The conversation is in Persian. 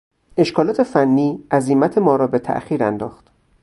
اشکالات فنی عزیمت ما را به تاخیر انداخت.